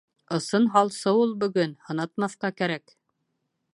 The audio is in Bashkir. Ысын һалсы ул бөгөн! һынатмаҫҡа кәрәк.